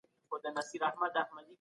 منظم کار تر ګډوډ کار ډېره ګټه لري.